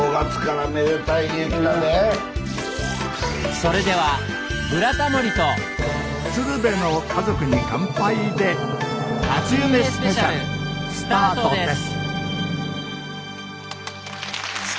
それでは「ブラタモリ」と「鶴瓶の家族に乾杯」で「初夢スペシャル」スタートです！